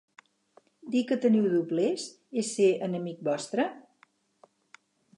Dir que teniu doblers és ser enemic vostre?